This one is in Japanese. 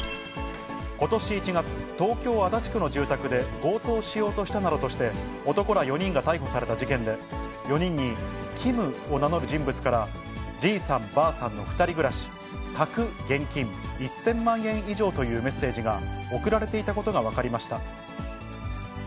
ことし１月、東京・足立区の住宅で強盗しようとしたなどとして、男ら４人が逮捕された事件で、４人に、キムを名乗る人物から、じいさん、ばあさんの２人暮らし、宅現金１０００万円以上というメッセージが送られていたことが分かりました。